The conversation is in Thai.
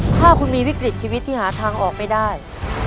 ถ้าคุณมีวิกฤตชีวิตที่หาทางออกไม่ได้